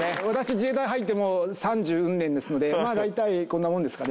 自衛隊入ってもう三十うん年ですのでまあ大体こんなもんですかね。